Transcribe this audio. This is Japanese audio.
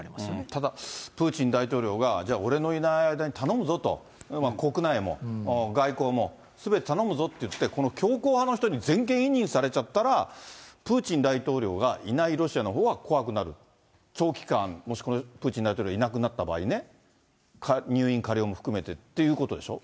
ただ、プーチン大統領がじゃあ、俺のいない間に頼むぞと、国内も、外交も、すべて頼むぞって言って、この強硬派の人に全権委任されちゃったら、プーチン大統領がいないロシアのほうが怖くなる、長期間、もしこのプーチン大統領いなくなった場合ね、入院、加療も含めてっていうことでしょ。